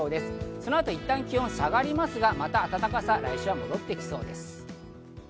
そのあといったん気温が下がりますが、また暖かさが戻ってきそうです。